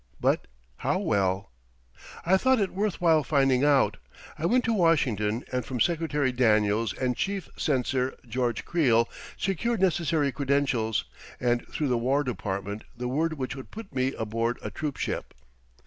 But how well? I thought it worth while finding out. I went to Washington and from Secretary Daniels and Chief Censor George Creel secured necessary credentials, and through the War Department the word which would put me aboard a troop ship.